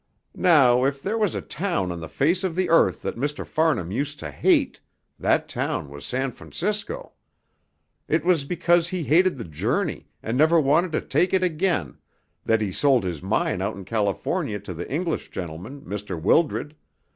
"Now, if there was a town on the face of the earth that Mr. Farnham used to hate, that town was San Francisco. It was because he hated the journey, and never wanted to take it again, that he sold his mine out in California to the English gentleman, Mr. Wildred.